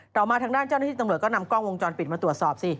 มาทางด้านเจ้าหน้าที่ตำรวจก็นำกล้องวงจรปิดมาตรวจสอบสิ